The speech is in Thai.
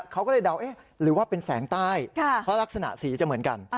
เขาก็เลยเดาหรือว่าเป็นแสงใต้เพราะลักษณะสีจะเหมือนกัน